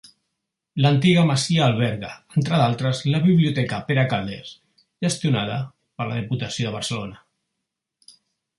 L'antiga masia alberga, entre d'altres, la biblioteca Pere Calders, gestionada per la Diputació de Barcelona.